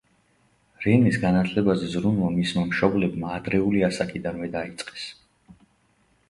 რენეს განათლებაზე ზრუნვა მისმა მშობლებმა ადრეული ასაკიდანვე დაიწყეს.